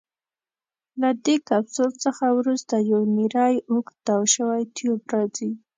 له دې کپسول څخه وروسته یو نیری اوږد تاو شوی ټیوب راځي.